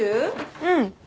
うん。